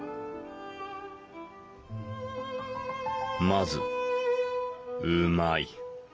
まずうまい。